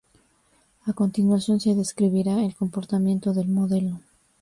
A continuación se describirá el comportamiento del modelo.